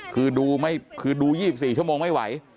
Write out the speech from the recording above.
คือดู๒๔ชั่วโมงไม่ไหว